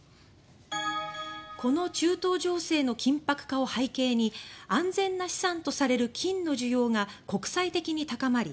この中東情勢の緊迫化を背景に安全な資産とされる金の需要が国際的に高まり